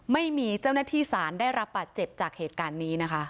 ไม่มีเจ้าหน้าที่สารได้รับบาดเจ็บจากเหตุการณ์นี้นะคะ